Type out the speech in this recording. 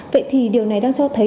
vậy thì điều này đang cho thấy